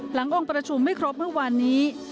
หลังองค์ประชุมไม่ครบเมื่อวานนี้